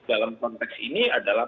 dalam konteks ini adalah